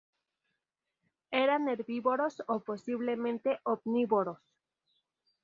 Eran herbívoros o posiblemente omnívoros.